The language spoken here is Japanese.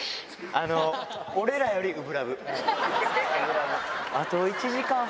あのー、俺らより初心ＬＯＶＥ。